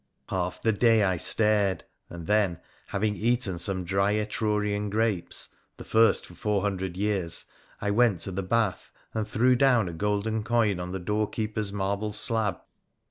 Half the day I stared, and then, having eaten some dry Etrurian grapes — the first for four hundred years — I went to the bath, and threw down a golden coin on the doorkeeper's marble slab.